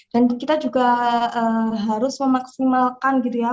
dan kita juga harus memaksimalkan gitu ya